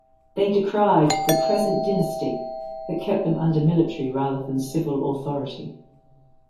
They decried "the present dynasty" that kept them under military rather than civil authority.